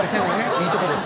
いいとこです